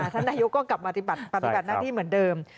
ท่านนายกก็กลับมาปฏิบัติหน้าที่เหมือนเดิม